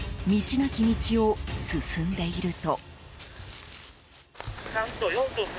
なき道を進んでいると。